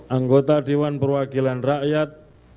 anggota dewan perwakilan rakyat